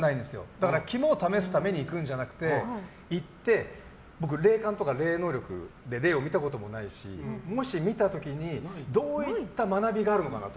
だから肝を試すために行くんじゃなくて行って、僕、霊感とか霊能力で霊を見たこともないしもし見た時にどういった学びがあるのかなと。